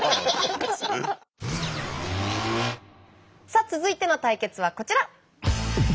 さあ続いての対決はこちら！